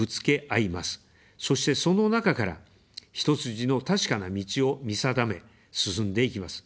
そして、その中から、一筋の確かな道を見定め、進んでいきます。